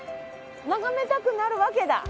眺めたくなるわけだ。